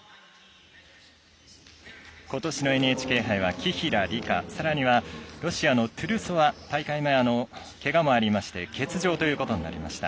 ことしのＮＨＫ杯は紀平梨花さらには、ロシアのトゥルソワ大会前、けがもありまして欠場ということになりました。